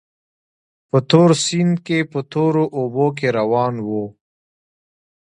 په تور سیند کې په تورو اوبو کې روان وو.